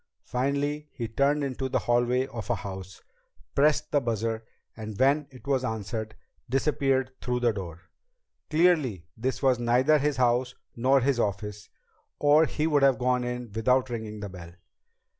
Finally he turned into the hallway of a house, pressed the buzzer, and when it was answered, disappeared through the door. Clearly this was neither his house nor his office or he would have gone in without ringing the bell.